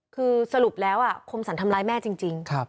คือสรุปแล้วคมสรรทำร้ายแม่จริง